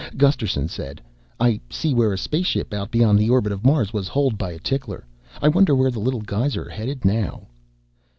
Gusterson said, "I see where a spaceship out beyond the orbit of Mars was holed by a tickler. I wonder where the little guys are headed now?"